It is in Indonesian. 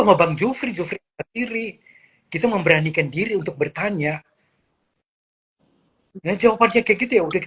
sama bang jufri jufri sendiri kita memberanikan diri untuk bertanya jawabannya kayak gitu ya udah